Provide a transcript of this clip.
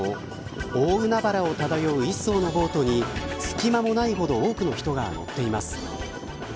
大海原を漂う１そうのボートに隙間もないほど多くの人が乗っています。